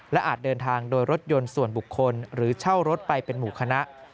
อาจเดินทางโดยรถยนต์ส่วนบุคคลหรือเช่ารถไปเป็นหมู่คณะ